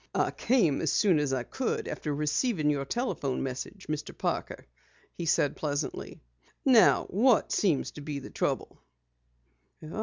"I came as soon as I could after receiving your telephone message, Mr. Parker," he said pleasantly. "Now what seems to be the trouble?"